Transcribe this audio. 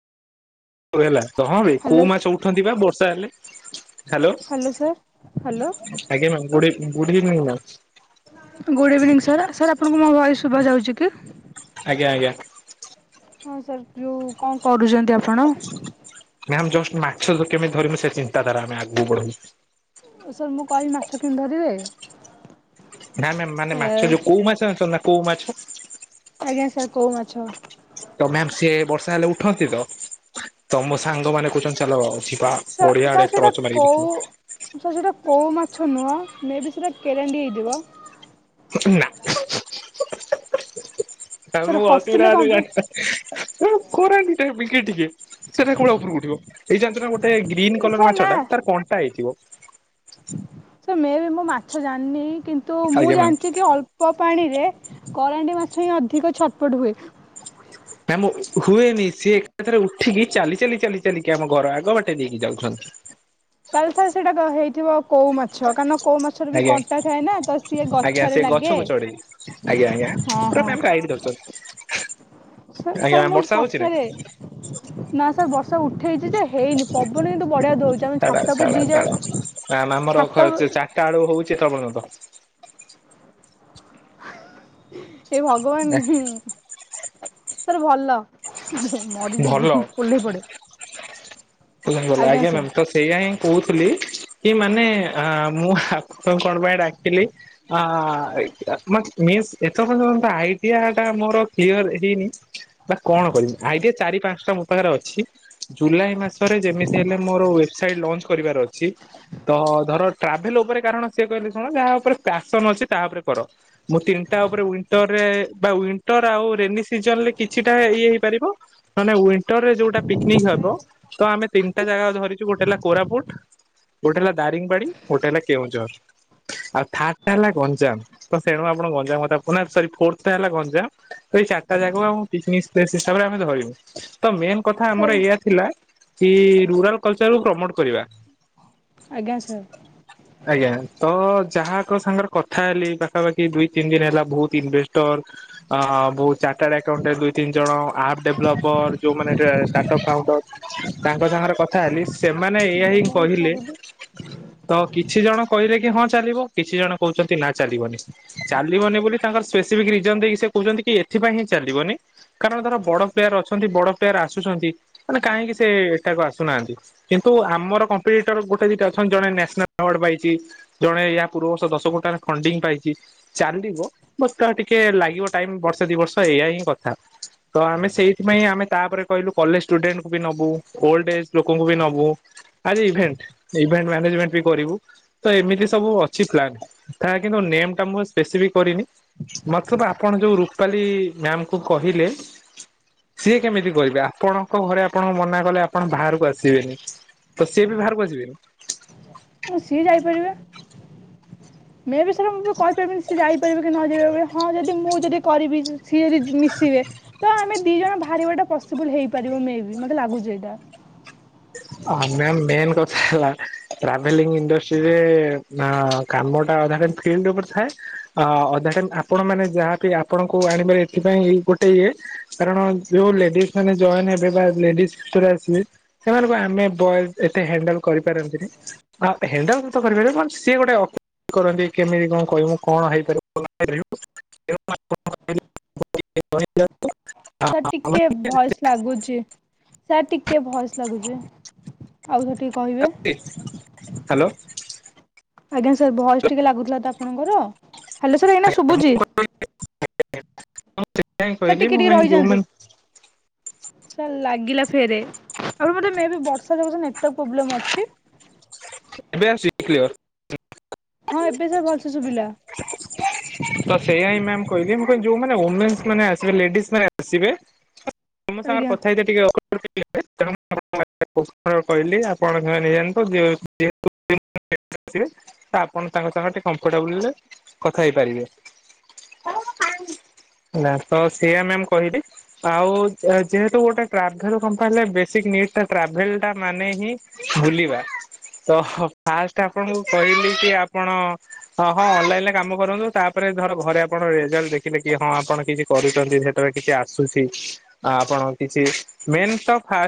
ହଉ ହେଲା ତ ହଁ ବେ କୋଉ ହ୍ୟାଲୋ ମାଛ ଉଠନ୍ତି ବା ବର୍ଷା ହେଲେ। Hello sir hello. ଆଜ୍ଞା ma'am good EV, good evening ma'am. Good evening sir sir ଆପଣଙ୍କୁ ମୋ ଭଏସ୍ ଶୁଭା ଯାଉଛି କି? ଆଜ୍ଞା ଆଜ୍ଞା। ହଁ ସାର୍ ଯୋଉ କଣ କରୁଛନ୍ତି ଆପ ମ୍ୟାମ ଜଷ୍ଟ ମାଛ କେମିତି ଧରିମୁ ସେ ଚିନ୍ତାଧାରା ଆମେ ଆଗକୁ ବଢଉ ଓ ସାର୍ ମୁଁ କହିବି ମାଛ କେମିତି ଧରିବେ? ନା ମ୍ୟାମ ମାନେ ଏ ମାଛ ଯୋଉ କୋଉ ମାଛ ଜଣଚନ୍ତି ନା କୋଉ ମାଛ? ଆଜ୍ଞା ସାର୍ କୋଉ ମାଛ। ତ ମ୍ୟାାମ ସିଏ ବର୍ଷା ହେଲେ ଉଠନ୍ତି ତ ତ ମୋ ସାଙ୍ଗମାନୋନେ କହୁଚନ୍ତି ଚାଲ ଅ ବା ସା ସାର୍ ଗଢିଆଡ଼େ ସେଇଟା ଟ୍ରଚ ମାରିକି କୋଉ ଦେଖିବା। ସାର୍ ସେଇଟା କୋଉ ମାଛ ନୁହଁ ମେ ବି ସେଇଟା କେରାଣ୍ଡି ହେଇଥିବ। ହ ନା। [unintelligible] ସାର୍ ହସିଲେ କଣ ପାଇଁ କରାଣ୍ଡି ଟାଇମ ଟିକେ ଟିକେ ସେଟା କଣ ଉପରକୁ ଉଠିବ? ଏଇ ଜାଣିଚ ନା ଗୋଟେ ଗ୍ରୀନ୍ କଲର ସାର୍ ମାଛ ଟା ତାର କଣ୍ଟା ହେଇଥିବ। ସେ ମେ ବି ମୁଁ ମାଛ ଜାଣିନି କିନ୍ତୁ ମୁଁ ଆଜ୍ଞା ମ୍ୟାମ୍ ଜାଣିଛି କି ଅଳ୍ପ ଳ୍ପ ପାଣିରେ କରାଣ୍ଡି ମାଛ ହିଁ ଅଧିକ ଛଟପଟ ହୁଏ। ମ୍ୟାମ ହୁଏନି ସିଏ ଏକାଥରେ ଉଠିକି ଚାଲି ଚାଲି ଚାଲି ଚାଲିକି ଆମ ଘର ଆଗ ବାଟେ ଦେଇକି ଯାଉଛନ୍ତି। ତାହେଲେ ସାର୍ ସେଇଟା ତ ହେଇଥିବ କୋଉ ମାଚ୍ ଛ। କାରଣ କୋଉ ମାଛରେ ବି ଆଜ୍ଞା କଣ୍ଟା ଥାଏ ନା ତ ସିଏ ଆଜ୍ଞା ସେ ଗଛରେ ଲାଗେ। ଗଛକୁ ଚଢେଇ ଆଜ୍ଞା ଆଜ୍ଞା ହଁ ହଁ ପୁରମେ ଆମ ଆଇଠ କର [unintelligible] ସାର୍ ସାର ମୁଁ ପଚାରେ, ନା ସାର୍ ବର୍ଷା ଉଠେଇଛି ଯେ ହେଇନି ପବନ କିନ୍ତୁ ବଢିଆ ଦଉଚି ଆମେ ଛାଡ ଛାତ ଉପ ଛାଡ ଦି ଜଣ ଛାତ ଉ ତାାଡୁ ହଉଛି ତବନ ତ [unintelligible] ହେ ଏ ଭଗବାନ ତାର ଭଲ। ହେ ଭଲ ମରିଯିବୁ ଓଲେହି ପଡେ। ପୂଜା ଗଲା ଆଜ୍ଞା ଆଜ୍ଞା୍ ସାର୍ ନାମ୍ ତସ୍‌। ସେଇଆା ହିଁ କହୁଥିଲି କି ମାନେ ଆ ମୁଁ ଆପଣକକଣ ପାଇଁ ଡାକିଲେ। ଆ ଆ ଆ ଏ ମସ ମିସ୍ ଏ ଥର ମୋର ଆଇଡ଼ିଆଟା ମୋର କ୍ଳିଅର ହେଇନି। ବା କଣ କରିବି ଆଇଡିଆ ଚାରି ପାଞ୍ଚଟା ମୋ ପାଖରେ ଅଛି। ଜୁଲାଇ ମାସ ରେ ଯେମିତି ହେଲେ ମୋ ଓଏବ୍ ସାଇଡ୍ ଲଞ୍ଚ କରିବାର ଅଛି। ତ ଧର ଟ୍ରାଭେଲ ଉପରେ କାରଣ ସିଏ କହିଲେ ଶୁଣ ଯାହା ଉପରେ ପ୍ୟାସନ ଅଛି ତାହା ଉପରେ କର। ମୁଁ ତିନିଟା ଉପରେ ଉଇଣ୍ଟରରେ ବା ଉଇଣ୍ଟର ଆଉ ରେନି ସିଜନ୍ ରେ କିଛିଟା ଇଏ ହେଇପାରିବ। ମାନେ ୱିଣ୍ଟର ରେ ଯୋଉଟା ପିକ୍ନିକ ହବ ତ ଆମେ ତିନିଟା ଜାଗା ଧରିଛୁ ଗୋଟେ ହେଲା କୋରାପୁଟ ଗୋଟେ ହେଲା ଦାରିଙ୍ଗବାଡି ଗୋଟେ ହେଲା କେଉଁଝର ଆଉ ଥାର୍ଡ଼ ଟା ହେଲା ଗଞ୍ଜାମ ତ ସେଣୁ ଆପଣ ଗଞ୍ଜାମ କଥା ମାନେ ସରି ଫୋର୍ଥ ଟା ହେଲା ଗଞ୍ଜାମ ଏଇ ଚାରିଟା ଜାଗାକୁ ଆମେ ପିକନିକ୍ ସ୍ପେସ୍ଳ ହିସାବରେ ଆମେ ଧରିବୁ ତ ମେନ୍ କଥା ସାର୍ ଆମର ଏଇଆ ଥିଲା କି ରୁରାଲ କଲଚରକୁୁ ପ୍ରମୋଟ କରିବା। ଆଜ୍ଞା ସାର୍। ହ [inaudible] ଆଜ୍ଞା ତ ଯାହାଙ୍କ ସାଙ୍ଗରେ କଥା ହେଲି ପାଖାପାଖି ଦୁଇ ତିନି ଦିନ ହେଲା ବହୁତ ଇନଭେଷ୍ଟର ଅ ବହୁତ ଚାର୍ଟାର୍ଡ ଆକାଉଣ୍ଟ ଦୁଇ ତିନି ଜଣ ଆପ୍ ଡେଭଲପର ଯୋଉମାନେ ଷ୍ଟାର୍ଟଅପ ଫାଉଣ୍ଡର ତାଙ୍କ ସାଙ୍ଗରେ କଥା ହେଲି ସେମାନେ ଏଇଆ ହିଁ ଗେଲ ହଉଛି କହିଲେ ମରିବୁ ତ କିଛି ଜଣ କହିଲେ କି ହଁ ଚାଲିବ କିଛି ଜଣ କହୁଚନ୍ତି ନା ଚାଲିବନି। ଚାଲିବନି ବୋଲି ତାଙ୍କର ସ୍ପେସିଫିକ ରିଜନ ଦେଇକି ସେ କହୁଚନ୍ତି କି ଏଥିପାଇଁ ହିଁ ଚାଲିବନି। କାରଣ ତାର ବଡ ପ୍ଲେୟାର ଅଛନ୍ତି ବଡ ପ୍ଲେୟାର ଆସୁଛନ୍ତି ମାନେ କାହିଁକି ସେ ଏଠାକୁ ଆସୁନାହାନ୍ତି। କିନ୍ତୁ ଆମର କମ୍ପିଟର ଗୋଟେ ଦିଟା ଅଛନ୍ତି ଜଣେ ନ୍ୟାସନାଲ ଆୱାର୍ଡ଼ ପାଇଛି। ଜଣେ ଏହା ପୂର୍ବବର୍ଷ ଦଶ କୋଟାରେ ଫଣ୍ଡିଙ୍ଗ ପାଇ ଚି। ଚାଲିବ ବାସ ତା ଟିକେ ଲାଗିବ ଟାଇମ ବର୍ଷେ ଦି ବର୍ଷ ଏଇଆ ହିଁ କଥା। ତ ଆମେ ସେଇଥିପାଇଁ ଆମେ ତାପରେ କହିଲୁ କଲେଜ ଷ୍ଟୁଡେଣ୍ଟକୁ ବି ନ ଓ ଓଲଡ ଏଜ ଲୋକଙ୍କୁ ବି ନବୁ। ଆରେ ଇଭେଣ୍ଟ ଇଭେଣ୍ଟ ମ୍ୟାନେଜମେଣ୍ଟ ବି କରିବୁ ତ ଏମିତି ସବୁ ଅଛି ପ୍ଲନ୍ କିନ୍ତୁ ନେମ ଟା ମୁଁ ସ୍ପେସିଫିକ କରିନି ମଥୁବା ଆପଣ ଯୋଉ ରୁପାଲି ମାମ କୁ କହିଲେ ସିଏ କେମିତି କହିବେ ଆପଣଙ୍କ ଘରେ ଆପଣଙ୍କ ମନା କଲେ ଆପଣ ବାହାରକୁ ଆସିବେନି ତ ସିଏ ବି ବାହାରକୁ ଆସିବେନି ହଁ ସିଏ ଯାଇପାରିବେ ମୁଁ ବି ସାର୍ ମୁଁ କହିପାରିବିନି ସିଏ ଯାଇପାରିବେ କି ନ ଯାଇିବା ଭଳିଆ ହଁ ଯଦି ମୁଁ ଯଦି କରିବି ସିଏ ଯଦି ମିଶିବେ ତ ଆମେ ଦି ଜଣ ବାହାରିବାଟା ପ ପସିବୁଲ ହେଇପାରିବ ମେ ବି ମୋତେ ଲାଗୁଚି ଏଇଟା। ମ୍ୟା ମେନ୍ କଥା ହେଲା ଟ୍ରାଭେଲିଂ ଇଣ୍ଡଷ୍ଟ୍ରିରେ ନା କାନ ଟା ଅଧା ଫେଖ୍ତ ଉପରେ ଥାଏ ଅ ଅଧାଟାଇମ୍ଆପଣ ମାନେ ଯାହାବି ଆପଣଙ୍କୁ ଆଣିବାର ଏଥିପାଇଁ ଗୋଟେ ଇଏ କାରଣ ଯୋଉ ଲେଡିଜ ମାନେ ଜଏନ ହେବେ ବା ଲେଡିଜ ଭିତରେ ଆସିବେ ସେମାନଙ୍କୁ ବା ଆମେ ବ ଏତେ ହଣ୍ଡଲ କରିପାରନ୍ତିନି ହଣ୍ଡଲ ତ କରିପାରିବ କ ସିଏ ଗୋଟେ କରନ୍ତି କେମିତି କଣ କହିବୁ କଣ ହେଇପାରିବୁ [unintelligible] ସାର୍ ଟିକେ ଭଏସ ଲାଗୁଚି ସାର୍ ଟିକେ ଭଏସ ଲାଗୁଚି। ଆଉ ଥରେ ଟିକେ କହିବେ। ହ୍ୟାଲୋ। ଆଜ୍ଞା ସାର୍ ଭଏସ ଟିକେ ଲାଗୁଥିଲା ତ ଆପଣଙ୍କର ହ୍ୟାଲୋ ସାର୍ ଏଇନା ଶୁଭୁଛି। [unintelligible] ସେଇଟା ହିଁ ସାର୍ କହିଲି ଟିକେ ଟିକେ ମୁଁ ରହିଯାଆନ୍ତୁ ଯୋଉମାନେ ସାର୍ ଲାଗିଲା ଫେରେ ଆପର ବୋଧେ ମେ ବି ବର୍ଷା ଯାକ ସେ ନେଟୱାର୍କ ପ୍ରୋବ୍ଲେମ୍ ଅଛି ଏବେ ଆସୁ କ୍ଲିୟର? ହଁ ଏବେ ସାର୍ ଭଲସେ ଶୁଭିଲା। ତ ସେଇୟା ହିଁ ମ୍ୟାମ୍ କହିଲି ମୁଁ କହିଲି ଯୋଉ ଓମେନ୍ସ ମାନେ ଆସିବେ ଲେଡିଜ ମାନେ ଆସିବେ ତମ ସାଙ୍ଗରେ ଆଜ୍ଞା କଥା ହେଇ ଯା ଟିକେ ଅ [unintelligible] କହିଲି ଆପଣ ନେଇଯାଆନ୍ତୁ [unintelligible] ଯେହୁ [unintelligible] ଆସେ ତ ଆପଣ ତାଙ୍କ ସାଙ୍ଗ ଟିକେ କମ୍ଫର୍ଟେବଲରେ କଥା ହେଇପାରିବେ। ହେଲା ତ ସେୟା ମ୍ୟାମ୍ କହିଲି ଆଉ ଯେହେତୁ ଗୋଟେ ଟ୍ରାଭେଲ କମ୍ପାନୀ ବେସିକ ନିଡ଼୍ସ ଟା ଟ୍ରାଭେଲ ଟା ମାନେ ହିଁ ବୁଲିବା। ତ ଫାଷ୍ଟ ଆପଣଙ୍କୁ କହିଲି କି ଆପଣ ହଁ ହଁ ଅନଲାଇନ୍ ରେ କାମ କରନ୍ତୁ ତାପରେ ଧର ଘରେ ଆପଣ ରେଜଲ୍ଟ ଦେଖିଲେ କି ହଁ ଆପଣ କିଛି କରୁଛନ୍ତି ସେତେବେଳେ କିଛି ଆସୁଛି ଆପଣ କିଛି ମେନ୍ ତ ଫା